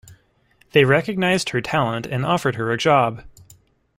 They recognized her talent and offered her a job.